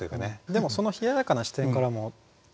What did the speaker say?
でもその冷ややかな視点からもそうですね。